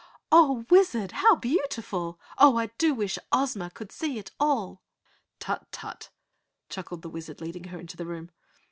"Oh, Wizard! How beautiful! Oh, how I do wish Ozma could see it all!" "Tut tut!" chuckled the Wizard, leading her into the room.